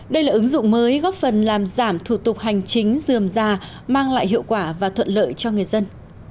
đây là ứng dụng mới góp phần làm giảm thủ tục hành chính dườm già mang lại hiệu quả và thuận lợi cho người dân